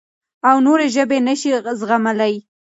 او نورې ژبې نه شي زغملی.